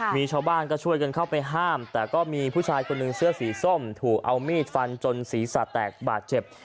มีชาวบ้านก็ช่วยกันเข้าไปห้ามแต่ก็มีผู้ชายคนหนึ่งเสื้อสีส้มถูกเอามีดฟันจนศีรษะแตกบาดเจ็บ